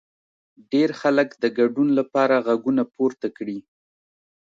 ډېر خلک د ګډون لپاره غږونه پورته کړي.